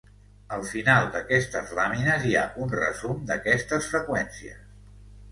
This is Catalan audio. Al final d'aquestes làmines hi ha un resum d'aquestes freqüències.